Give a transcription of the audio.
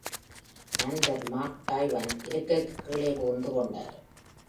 நண்பர் Mark Twain இருக்கைக்குக் கீழே புகுந்து கொண்டார்.